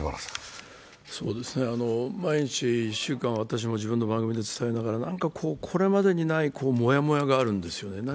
毎日、１週間、自分の番組で伝えながらこれまでにないもやもやがあるんですよね。